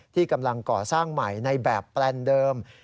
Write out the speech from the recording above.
ที่กำลังก่อสร้างใหม่ในแบบแปลนเดิม